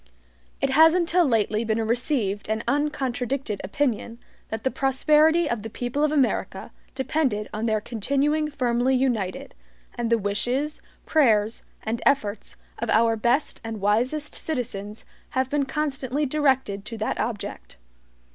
It has until lately been a received and uncontradicted opinion that the prosperity of the people of America depended on their continuing firmly united, and the wishes, prayers, and efforts of our best and wisest citizens have been constantly directed to that object.